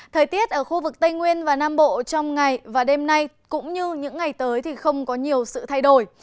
thời tiết ở khu vực tây nguyên và nam bộ trong ngày và đêm nay cũng như những ngày tới thì không có nhiều sự thay đổi